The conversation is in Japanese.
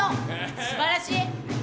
すばらしい！